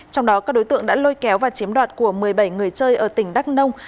trong đó các đối tượng đã lôi kéo và chiếm đoạt của một mươi bảy người chơi ở tỉnh đắk nông